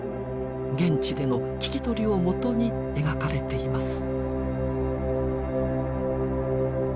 現地での聞き取りをもとに描かれています。